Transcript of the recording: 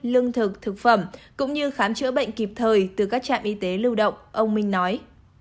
lương thực thực phẩm cũng như khám chữa bệnh kịp thời từ các trạm y tế lưu động ông minh nói